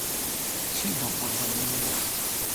你想要煲藥定藥粉呀